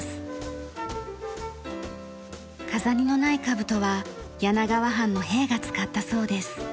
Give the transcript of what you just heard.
飾りのない兜は柳川藩の兵が使ったそうです。